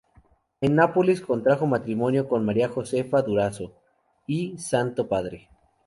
En Nápoles contrajo matrimonio con María Josefa Durazo y Santo Padre.